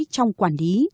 trong quản lý